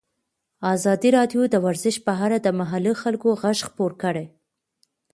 ازادي راډیو د ورزش په اړه د محلي خلکو غږ خپور کړی.